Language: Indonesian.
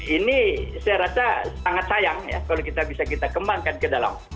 ini saya rasa sangat sayang ya kalau kita bisa kita kembangkan ke dalam